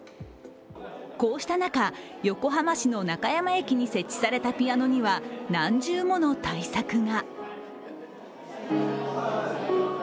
こうした中、横浜市の中山駅に設置されたピアノには何重もの対策が。